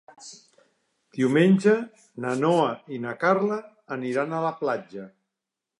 Diumenge na Noa i na Carla aniran a la platja.